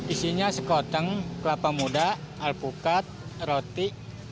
isinya sekoteng kelapa muda alpukat roti